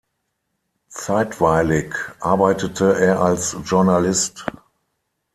Zeitweilig arbeitete er als Journalist.